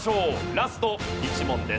ラスト１問です。